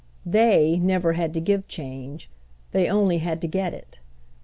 They never had to give change—they only had to get it.